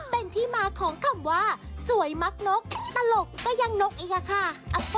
เป็นที่มาของคำว่าสวยมักนกตลกก็ยังนกอีกอะค่ะ